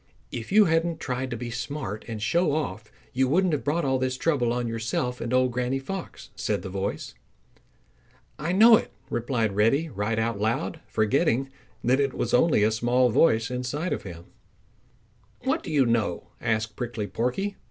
"If you hadn't tried to be smart and show off you wouldn't have brought all this trouble on yourself and Old Granny Fox," said the voice. "I know it," replied Reddy right out loud, forgetting that it was only a small voice inside of him. "What do you know?" asked Prickly Porky.